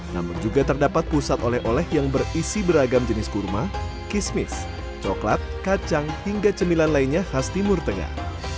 namun juga terdapat pusat oleh oleh yang berisi beragam jenis kurma kismis coklat kacang hingga cemilan lainnya khas timur tengah